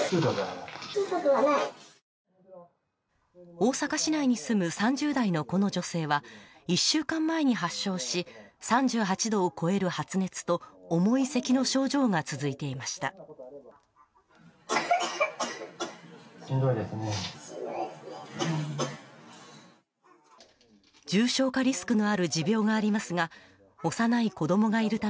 大阪市内に住む３０代のこの女性は１週間前に発症し、３８度を超える高熱と重いせきの症状が続いていました。